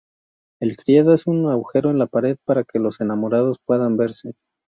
El criado hace un agujero en la pared, para que los enamorados puedan verse.